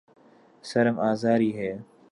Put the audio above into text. سەرم ئازاری هەیە.